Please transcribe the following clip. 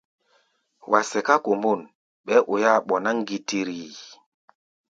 Wa sɛká kombôn, ɓɛɛ́ oi-áa ɓɔná ŋgitiri.